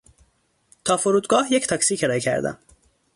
تا فرودگاه یک تاکسی کرایه کردم.